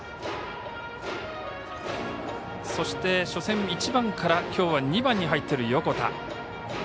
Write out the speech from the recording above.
そして初戦、１番からきょうは２番に入っている横田。